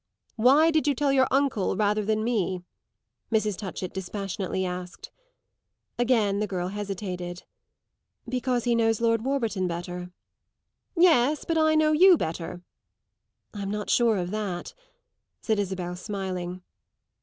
"Why did you tell your uncle rather than me?" Mrs. Touchett dispassionately asked. Again the girl hesitated. "Because he knows Lord Warburton better." "Yes, but I know you better." "I'm not sure of that," said Isabel, smiling.